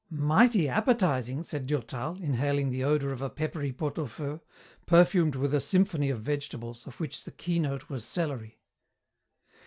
"Mighty appetizing," said Durtal, inhaling the odour of a peppery pot au feu, perfumed with a symphony of vegetables, of which the keynote was celery.